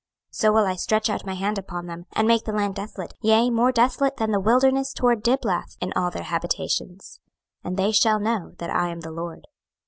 26:006:014 So will I stretch out my hand upon them, and make the land desolate, yea, more desolate than the wilderness toward Diblath, in all their habitations: and they shall know that I am the LORD.